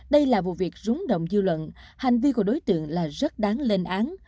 đây là vụ việc rúng động dư luận hành vi của đối tượng là rất đáng lên án